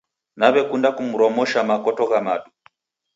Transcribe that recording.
Naw'ekunda kumromosha makoto gha madu